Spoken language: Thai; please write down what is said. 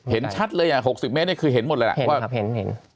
เห็นชัดเลย๖๐เมตรคือเห็นหมดเลย